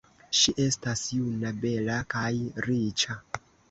Ŝi estas juna, bela, kaj riĉa.